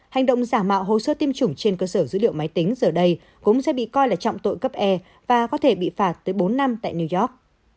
hành động giả mạo hồ sơ tiêm chủng trên cơ sở dữ liệu máy tính giờ đây cũng sẽ bị coi là trọng tội cấp e và có thể bị phạt tới bốn năm tại new york